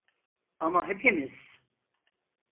Ama hepimiz.